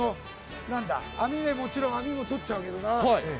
もちろん網も取っちゃうけどな。